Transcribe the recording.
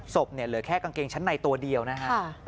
เนี่ยเหลือแค่กางเกงชั้นในตัวเดียวนะฮะ